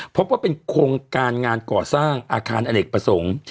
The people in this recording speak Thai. พบว่าเป็นโครงการงานก่อสร้างอาคารอเนกประสงค์